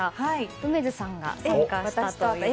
梅津さんが参加したということで。